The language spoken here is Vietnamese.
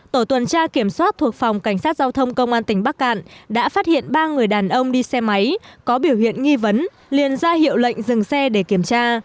tổ tuần tra kiểm soát thuộc phòng cảnh sát giao thông công an tỉnh bắc cạn đã phát hiện ba người đàn ông đi xe máy có biểu hiện nghi vấn liền ra hiệu lệnh dừng xe để kiểm tra